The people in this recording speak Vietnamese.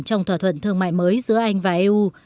thương mại mới giữa anh và eu